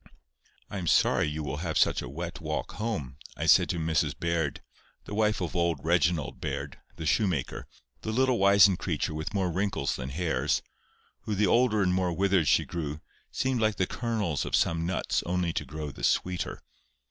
"I am sorry you will have such a wet walk home," I said to Mrs Baird, the wife of old Reginald Baird, the shoemaker, a little wizened creature, with more wrinkles than hairs, who the older and more withered she grew, seemed like the kernels of some nuts only to grow the sweeter.